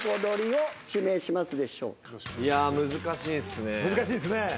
いや難しいっすね。